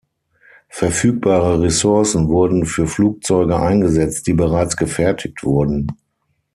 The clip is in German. Verfügbare Ressourcen wurden für Flugzeuge eingesetzt, die bereits gefertigt wurden.